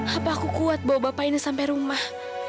apa aku kuat bawa bapak ini sampai rumah